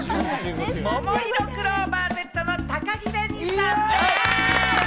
ももいろクローバーＺの高城れにさんでぃす！